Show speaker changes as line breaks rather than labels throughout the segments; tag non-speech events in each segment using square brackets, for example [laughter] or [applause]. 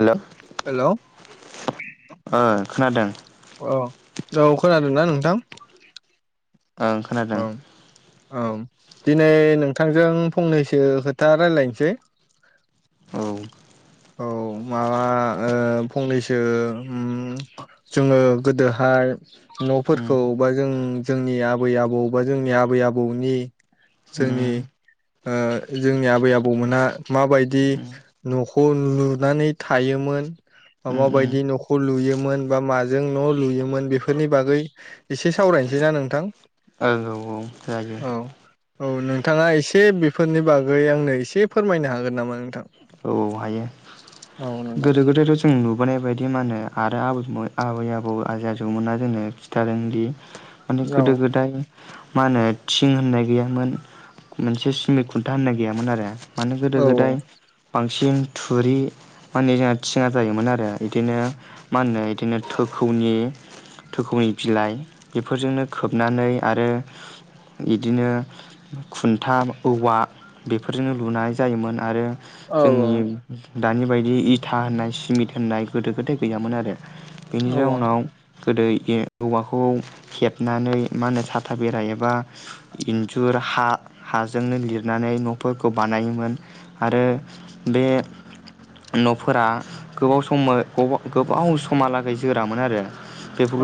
हेल '
hello
ओ खोनादों।
अ औ, खोनादोंना नोंथां?
ओं
औ
खोनादों।
औ दिनै नोंथांजों फंनैसो खोथा रायलायनोसै।
औ उम
औ माबा ओ फंनैसो ओम जोङो गोदोहाय नफोरखौ
उम
बा जों जोंनि आबै आबौ बा जोंनि आबै आबौनि जोंनि ओ जोंनि आबै आबौ मोनहा माबायदि
उम
नख खो लुनानै थायोमोन मा
उम ओं
माबायदि न'खौ लुयोमोन बा माजों न'लुयोमोन बेफोरनि बागै एसे सावरायनोसैना नोंथां
ओ औ-औ जायो
औ
।
औ नोंथाङा एसे बेफोरनि बागै आंनो एसे फोरमायनो हागोन नामा नोंथां?
औ हायो
[unintelligible]
गोदो गोदायथ जों नुुब नुबोनाय बायदि मा होनो आरो आ आबै आबौ आबौ आजै आजौ मोना जोंनो खिनथादोंदि माने
औ
गोदो गोदाय मा होनो थिं होननाय गैयामोन मोनसे सिमिट खुन्था होननाय गैयामोन आरो मानो गोदो
औ
गोदाय बांसिन थुरि मा होनो जोंहा थिङा जायोमोन आरो इदिनो मा होनो इदिनो थोखौनि थोखौनि बिलाइ बेफोरजोंनो खोबनानै आरो इदिनो खुन्था औवा बेफोरजोंनो लुनाय जायोमोन आरो
औ
जोंनि दानि बायदि बि इथा होननाय सिमित होननाय गोदो गोदाय गैयामोन आरो
औ
बेनि जाउनाव गोदो ए औवाखौ हेबनानै मा होनो साथा बेरा एबा इन्जुर हा हाजोंनो लिरनानै नफोरखौ बानायोमोन आरो बे न'फोरा गोबाव सम गब गोबाव समहालागै जोरामोन आरो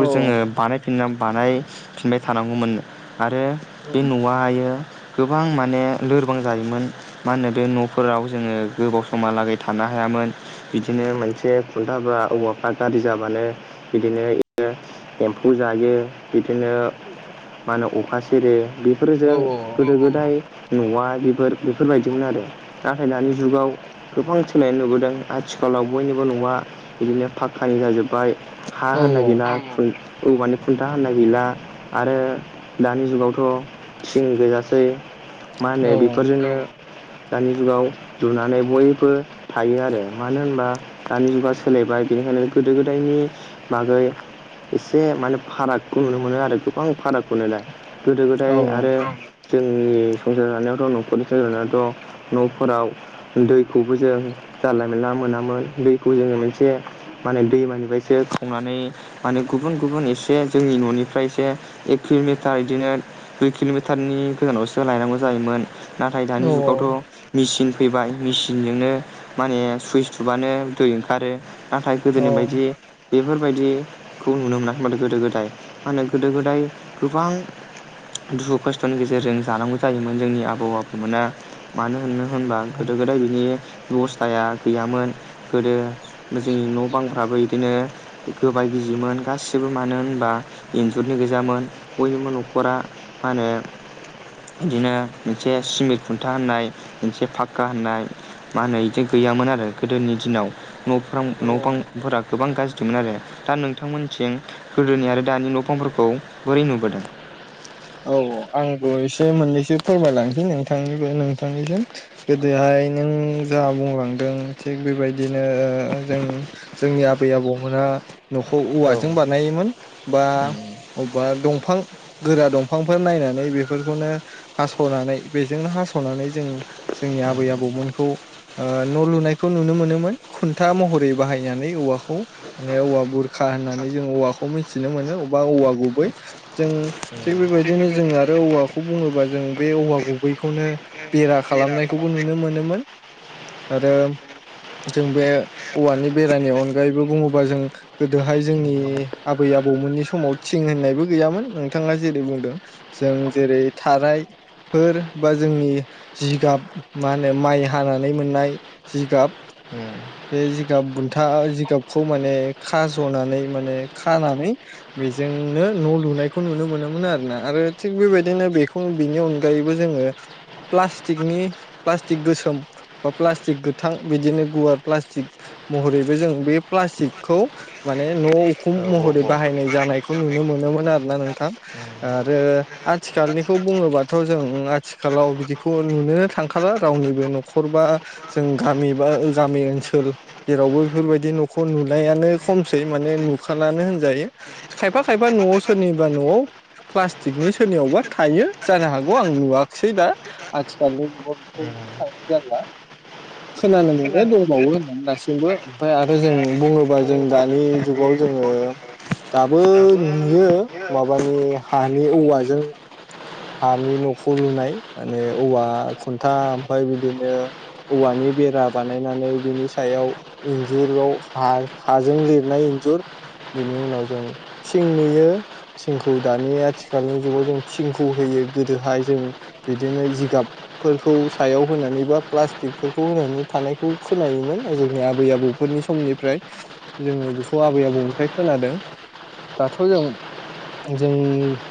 औ
जोङो बानाय फिना बानायफिनबाय थानांगौमोननो आरो बे न'आयो गोबां माने लोरबां जायोमोन मा होनो बे न'फोराव जोङो गोबाव समालागै थानो हायामोन बिदिनो मोनसे खुन्थाफ्रा औवाफ्रा गाज्रि जाबानो बिदिनो बिदिनो एम्फौ जायो बिदिनो मा होनो बिदिनो अखा सेरो
औ
बेफोरजों गोदो गोदाय न'आ बेफोर बेफोरबायदिमोन आरो नाथाय दानि जुगाव गोबां सोलायनाय नुबोदों आथिखालाव बयनिबो न'आ बिदिनो पाक्कानि जाजोब्बाय।
औ
हा-होननाय गैला आफै औवानि खुन्था होननाय गैला आरो दानि जुगावथ' थिं गैयासै मा होनो
औ
बेफोरजोंनो दानि जुगाव लुनानै बयबो बो थायो आरो मानो होनबा दानि जुगा सोलायबाय बेनिखायनो गोदो गोदायनि बागै एसे माने फारागखौ नुनो मोनो आरो गोबां फारागमोनो दा गोदो गोदाय आरो जों जोंनि संसार जानायावथ' न'खरनि संसार जानायावथ' न'फोराव दै दैखौबो जों जान्ला मोनला मोनामोन दैखौ जोङो जानला मोनला मोनामोन मोनसे माने दैमानिफ्रायसो खांनानै माने गुबुन गुबुन एसे जोंनि न'निफ्राय एसे एक किल'मिटार बिदिनो दुइ किल'मिटारनि गोजानावसो लायनांगौ जायोमोन नाथाय दानि जुगावथ' मेचिन बेबाय मिस हिनोनो माने सुइस थुबानो दै ओंखारो नाथाय
औ
गोदोनि बायदि बेफोरबायदिखौ नुनो मोनाखै माथो गोदो गोदाय मानो गोदो गोदाय गोबां दुखु खस्थ'नि गेजेरजों जानांगौ जायोमोन जोंनि आबौ-आबैमोना मानो होनो होनबा
औ
गोदो गोद बेबस्थाया गैयामोन गोदो जोंनि न' बांफ्राबो बिदिनो गोबाय गिजिमोन गासिबो मानो होनबा इन्जुरनि गोजामोन बयबो न'खरा मा होनो बिदिनो मोनसे सिमेन्ट खुन्था होननाय मोनसे फाक्का होननाय मा होनो बिदि गैयामोन आरो गोदोनि दिनाव न'फ्रां न'
औ
बांफोरा गोबां गाज्रि मिथिमोन आरो दा नोंथांमोननिथिं गोदोनि आरो दानि न'फांफोरखौ बोरै नुबोदों
औ अ आंबो एसे मोननैसो फोरमायलांसै नोंथांनिबो नोंथांनिसिम गोदोहाय नों जा बुंलांदों थिग बेबायदिनो ओ जों जोंनि आबै आबौमोना न'खौ
औ
औवाजों
उम
बानायोमोन बा अबेबा दंफां गोरा दंफांफोर नायनानै बेफोरखौनो हास'नानै बेजोंनो हास'नानै जों जोंनि आबै आबौमोनखौ न' लुनायखौ नुनो मोनोमोन खुन्था महरै बाहायनानै औवाखौ माने औवा बुरखा होननानै जों औवाखौ मिथिनो मोनो बबा औवा गुबै जों थिग
उम
बेबायदिनो जोंङो आरो औवाखौ बुङोबा जों बे औवा गुबैखौनो बेरा खालामनायखौबो नुनो मोनोमोन आरो जों बे औवानि बेरानि अनगायैबो बुङोबा जों गोदोहाय जोंनि आबै आबौमोननि समाव थिं होननायबो गैयामोन नोंथां थाङा जेरै बुंदों जों जेरै थारायफोर बा जोंनि जिगाब मा होनो माइ हानानै मोननाय जिगाब बे जिगाब बुन्था जिगाबखौ माने खाज'नानै माने खानानै बेजोंनो न' लुनायखौ खौ नुनो मोनोमोन आरोना आरो थिग बेबायदिनो बेखौ बेनि अनगायैबो जोङो प्लाटिकनि प्लास्टिक गोसोम बा प्लास्टिक गोथां बिदिनो गुवार प्लास्टिक महरैबो जों बे प्लास्टिकखौ माने न' उखुम महरै बाहायनाय जानायखौ नुनो मोनोमोन आरोना नोङो आरो आथिखालनिखौ बुङोबाथ' जों आथिखालाव बिदिखौ नुनो थांखाला रावनिबो न'खर बा जों गामि बा गामि ओनसोल जेरावबो बेफोरबायदि न'खर नुनायानो खमसै माने नुखालानो होनजायो खायफा खायफा न'आव सोरनि बा न'आव प्लास्टिकनि सोरनियावबा थायो जानो हागौ आं नुवाखसै दा आथिखालनि जुगाव बेखौ नुनो थांनाय जारला खोनानो मोनो दंबावो होननानै दासिमबो ओमफफ्राय आरो जों बुङोबा जों दानि जुगाव जोङो दाबो नुयो माबानि हानि औवाजों हानि न'खौ लुनाय माने औवा खुन्था बाय बिदिनो औवानि बेरा बानायनानै बिनि सायाव इन्जुरल' हाजों लिरनाय इन्जुर बेनि उनाव जों थिं नुयो थिंखौ दानि आथिखालनि जुगाव जों थिंखौ होयो गोदोहाय जों बिदिनो जिगाबफोरखौ सायाव होनानै बा प्लास्टिकफोरखौ होनानै थानायखौ खोनायोमोन जोंनि आबै आबौफोरनि समनिफ्राय जोङो बेखौ आबै आबौनिफ्राय खोनादों दाथ' जों जों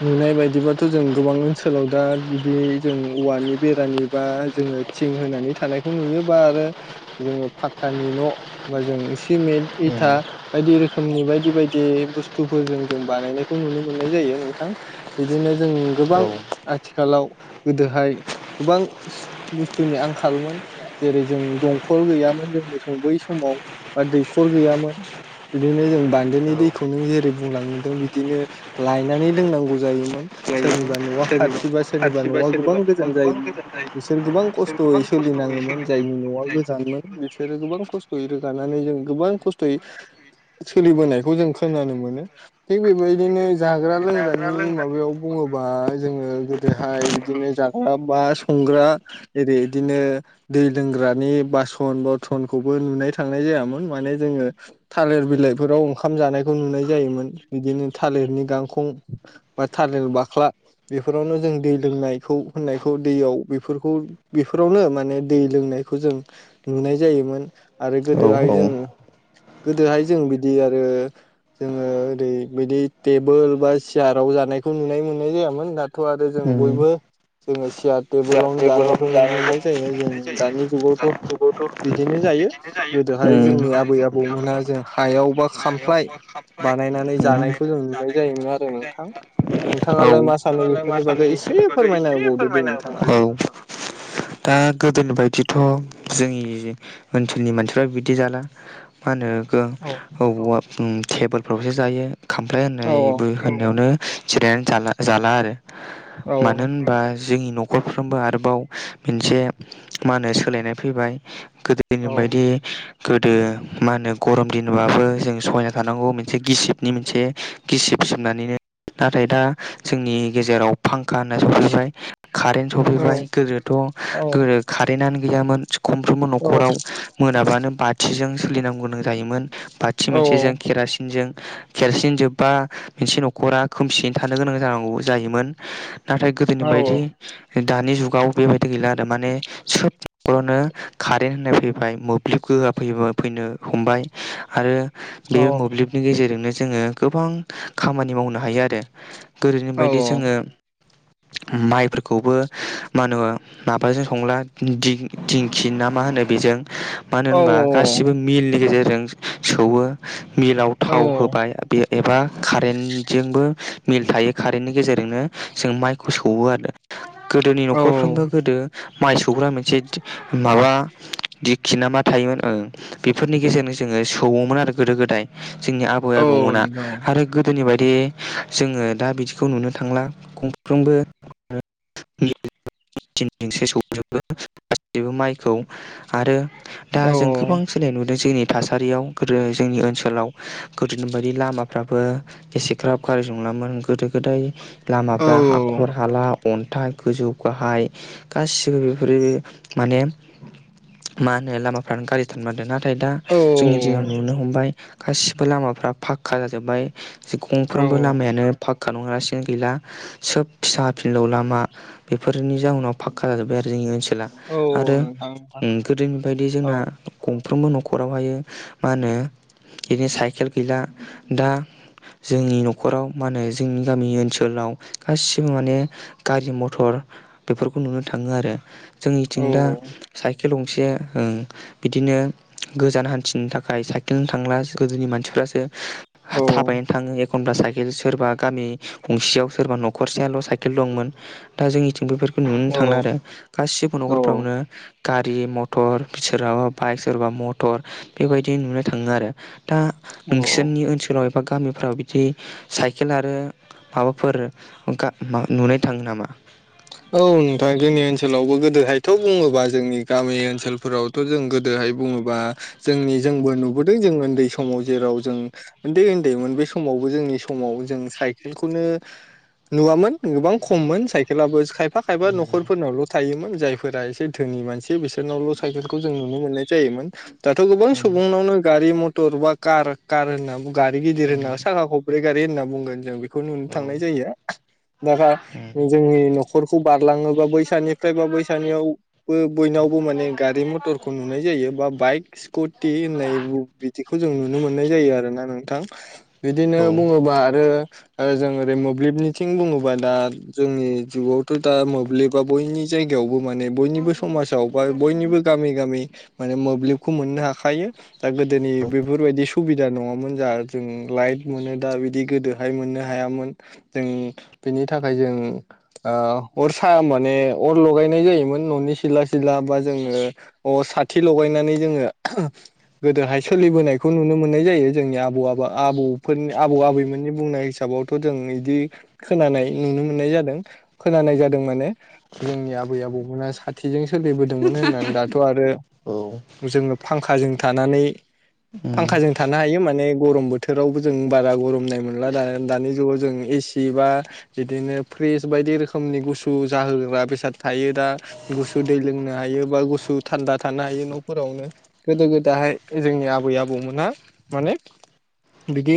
नुनाय बायदिबाथ' जों गोबां ओनसोलाव दा बिदि जों औवानि बेरानि बा जोङो थिं होनानै थानायखौ नुयोबा आरो जोङो फाक्कानि न' बा जों सिमेन्ट
औ
इथा बायदि रोखोमनि बायदि बायदि बुस्थुफोरजों जों बानायनाय खौ नुनो मोननाय जायो नोंथां बिदिनो जों गोबां आथिखालाव गोदोहाय गोबां बुस्थुनि आंखालमोन जेरै जों दंखल गैयामोन जोंनि बै समाव बा दैखर गैयामोन बिदिनो जों बान्दोनि दैखौ नों जेरै बुंलांदों बिदिनो लायनानै लोंनांगौ जायोमोन सोरनिबा न'आ खाथिबा सोरनिबा न'आ गोबां गोजान जायोमोन बिसोर गोबां खस्थ'यै सोलिनाङोमोन जायनि न'आ गोजानमोन। बिसोरो गोबां खस्थ'यै रोगानानै जों गोबां खस्थ'यै सोलिबोनायखौ जों खोनानो मोनो। थिग बेबायदिनो जाग्रा लोंग्रानि माबायाव बुङोबा जोङो गोदोहाय बिदिनो जाग्रा बा संग्रा एरै बिदिनो दै लोंग्रानि बासन बरथनखौबो नुनाय थांनाय जायामोन माने जोङो थालिर बिलाइफोराव ओंखाम जानायखौ नुनाय जायोमोन। बिदिनो थालिरनि गांखं बा थालिर बाख्ला बेफोरावनो जों दै लोंनायखौ होननायखौ दैयाव बेफोरखौ बेफोरावनो माने दै लोंनायखौ जों नुनाय जायोमोन। आरो
दा
गोदोहाय जों गोदोहाय जों बिदि आरो जोङो ओरै बिदि टेबोल बा सियाराव जानायखौ नुनाय मोननाय जायामोन दाथ' आरो जों बयबो जोङो सियार टेबोलावनो जानायखौ नुनो मोननाय जायो जों दानि जुगावथ' बिदिनो जायो गोदोहाय जोंनि आबै आबौमोनहा जों हायाव बा खामफ्लाय बानायनानै जों जानायखौ जों नुनाय जायोमोन आरो नोंथां नोंथाङालाय मा सा
औ
दे नोंथाङा
दा गोदोनि बायदि थ' जोंनि ओनसोलनि मानसिफ्रा बिदि जाला मा होनो
औ
ओं औ उम टेबलफ्रावसो जायो‌ खामफ्लाय
औ
होननायबो होननायावनो जिरायनान जाला आरो।
औ
मानो होनबा जोंनि न'खरफ्रोमबो आरोबाव मोनसे मा होनो सोलायनाय फैबाय गोदोनि
औ
बायदि गोदो मा होनो गरम दिनबाबो जों सहना थानांगौ मोनसे गिसिबनि मोनसे गिसिब सिबनानैनो नाथाय दा जोंनि गेजेराव फांखा होनना सफैबाय कारेन्ट
औ
सफैबाय गोदोथ'
औ
गोदो कारेन्टआनो गैयामोन खनफ्रोमबो
औ
न'खराव मोनाबानो बाथिजों सोलिनो नांगौ जायोमोन बाथि
औ
मोनसेजों केरासिनजों खेरासिन जोब्बा मोनसे न'खरा खोमसियै थानो गोनां जानांगौ जायोमोन। नाथाय गोदोनि
औ
बायदि दानि जुगाव बेबायदि गैला आरो माने सोब बोनो कारेन्ट होननाय फैबाय मोब्लिब गोहोआ फैबा फैनो हमबाय आरो बे मोब्लिबनि गेजेरजोंनो जोङो गोबां खामानि मावनो हायो आरो। गोदोनि
औ
बाय दि जोङो माइफोरखौबो मा होनो माबाजों सौवला दिं दिं दिंखि ना मा होनो बेजों। मानो
औ
होनबा गासिबो मिलनि गेजेर। जों सौवो। मिलाव थाव होबाय बे एबा। कारेन्टजोंबो मिल थायो कारेन्टनि गेजेरनो जों माइखौ सौवो आरो। गोदोनि न'खरफ्रोमबो गोदो माइ सौग्रा मोनसे माबा दिखि नामा थायोमोन ओ बेफोरनि गेजेरजों सौवोमोन आरो गोदो गोदाय। जोंनि आबै आबौमोना
औ
आरो गोदोनि बाय दि जोङो दा बिदि [inaudible] बेबो माइखौ आरो दा जों गोबां सोलानाय नुदोंसै जोंनि थासारियाव गोदो जोंनि ओनसोलाव। गोदोनि बायदि लामा। फ्राबो एसेग्राब गाज्रि नंलामोन गोदो गोदाय। लामाफ्रा हाखर हाला। अन्थाइ गोजौ गाहाय गासिबो बेफोरो माने मा होनो लामाफ्रानो गाज्रिथारमोन दोंमोन ना नाथाय दा जोंनि दिनाव नुनो हमबाय। गासिबो लामाफ्रा फाक्का जाजोब्बाय।
औ
गंफ्रोमबो लामायानो पाक्खा फाखा नंङालासिनो गैला सोब फिसा फिनलौ लामा बेफोरनि जाऊनाव फाक्का जाजोब्बाय आरो जोंनि ओनसोलाव
औ
आरो
नोंथां
गोदोनि बायदि
औ
जोंना गंफ्रोमबो न'खर न'खरावहायो मा होनो बिदिनो साइकेल गैला दा जोंनि न'खराव मा होनो जोंनि गामि ओनसोलाव गासिबो माने गारि मथर बेफोरखौ नुनो थाङो आरो जोंनिथिं दा साइ साइखेल गंसे ओं बिदिनो गोजान हान्थिनो थाखाय साइकेलजों थांला गोदोनि मानसिफ्रासो थाबायनो थाङो एखनबा साइेल केल सोरबा गामि गंसेयाव सोरबा न'खरसेयाल' साइकेल दंमोन दा जोंनिथिं बेफोर नुनो
औ
थांला आरो गासिबो
औ
न'खरफ्रावनो गारि मथर सोरहाबा बाइक सोरबा मटर बेबायदि नुनो थाङो आरो दा
औ
नोंसोरनि ओनसोलाव बा गामिफ्राव बिदि सा साइकेल आरो माबाफोर नुनाय थाङो नामा
औ नोंथां जोंनि ओनसोलावबो गोदोहायथ' बुङोबा जोंनि गामि ओनसोलफोरावथ' जों गोदोहाय बुङोबा जोंनि जोंबो नुबोदों जों उन्दै समाव जेराव जों उन्दै उन्दैमोन बे समावबो जोंनि समाव जों साइकेलखौनो नुवामोन गोबां खममोन साइकेलाबो खायफा खायफा न'खरफोरनावल' थायोमोन जायफोरा एसे धोनि मानसि बिसोरनावल' साइकेलखौ जों नुनो मोननाय जायोमोन दाथ' गोबां सुबुंनावनो गारि मथ थर एबा खार खार होना बुङो गारि गिदिर होना साखा खब्ब्रै गारि होनना बुंगोन जों बेखौ नुनो थांनाय जायो दा जोंनि न'खर खौ बारलाङोबा बैसानिफ्राय बा बैसानियावबो बयनावबो माने गारि मथरखौ नुनाय जायो बा बाइक स्कुटि होननाय बिदिखौ जों नुनो मोननाय जायो आरोना नोंथां बिदिनो
औ
बुङोबा आरो आरो जों ओरै मोब्लिबनिथिं बुङोबा दा जोंनि जुगाव थ' दा मोब्लिबा बयनि जायगायावबो माने बयनिबो समाजाव बा बयनिबो गामि गामि माने मोब्लिबखौ मोननो हाखायो दा गोदोनि बेफोरबायदि सुबिदा नङामोन जा जों लाइफ मोनो दा बिदि गोदोहाय मोननो हायामोन जों बेनि थाखाय जों अर सा माने अर लगायनाय जायोमोन न'नि सिला सिला बा जोङो अर साथि लगायनानै जोङो गोदोहाय सोलिबोनायखौ नुनो मोननाय जायो जोंनि आबौ आब आबौ फोरनि आबौ आबैमोननि बुंनाय हिसाबावथ' जों बिदि खोनानाय नुनो मोननाय जादों। खोनानाय जादों माने जोंनि आबै आबौमोना साथिजों सोलिबोदोंमोन होननानै दाथ' आरो
औ
जोङो फांखाजों थानानै फांखाजों थानो हायो माने गरम बोथोरावबो जों बारा गरमनाय मोनला दानि जुगाव जों एसि बा बिदिनो फ्रिज बायदि रोखोम रोखोमनि गुसु जाहोग्रा बेसाद थायो दा गुसु दै लोंनो हायो बा गुसु थान्दा थानो हायो न'फोरावनो गोदो गोदाहाय जोंनि आबै आबौमोनहा माने बिदि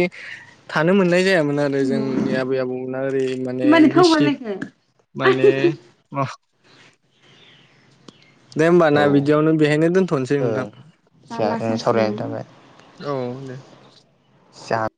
थानो मोननाय जायामोन आरो जोंनि आबै आबौमोनहा ओरै माने गिसिब
[unintelligible]
माने अ [inaudible] दे ओमबा ना बिदियावनो। बेहायनो दोनथ'नोसै नोंथां।
जा रां सावरायनाय थाबाय।
[inaudible]
जाथ